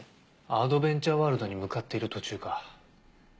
アドベンチャーワールドに向かっている途中か。